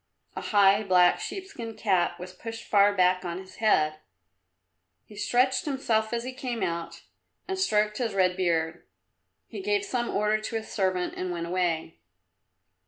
A high, black sheepskin cap was pushed far back on his head. He stretched himself as he came out and stroked his red beard. He gave some order to his servant and went away.